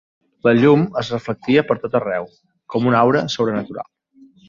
La llum es reflectia per tot arreu, com una aura sobrenatural.